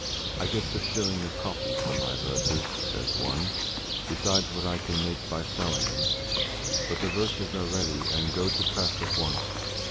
'I gets a shilling a copy for my verses' (says one), 'besides what I can make by selling 'em.' But the verses are ready and go to press at once.